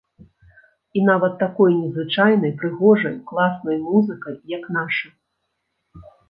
І нават такой незвычайнай, прыгожай, класнай музыкай, як наша.